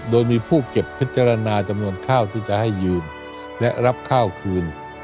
โดยมีผู้เก็บพิจารณาจำนวนข้าวที่จะให้ยืมและรับข้าวคืน